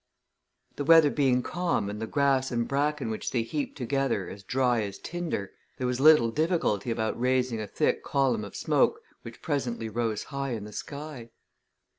The weather being calm and the grass and bracken which they heaped together as dry as tinder, there was little difficulty about raising a thick column of smoke which presently rose high in the sky.